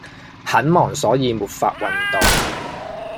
很忙所以沒法運動。